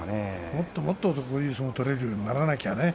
もっともっとこういう相撲が取れるようにならなくちゃね。